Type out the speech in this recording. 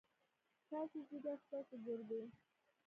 ستاسو ځيګر ، ستاسو ګردې ،